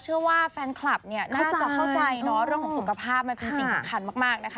เชื่อว่าแฟนคลับเนี่ยน่าจะเข้าใจเนาะเรื่องของสุขภาพมันคือสิ่งสำคัญมากนะคะ